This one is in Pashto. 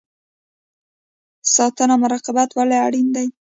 ساتنه او مراقبت ولې اړین دی؟